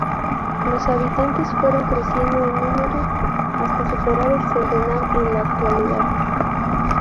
Los habitantes fueron creciendo en número hasta superar el centenar en la actualidad.